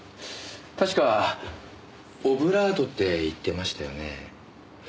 確かオブラートって言ってましたよね。